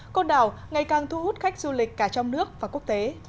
con đảo ngày càng thu hút khách du lịch cả trong nước và quốc tế